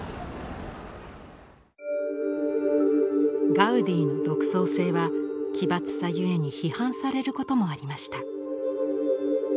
ガウディの独創性は奇抜さゆえに批判されることもありました。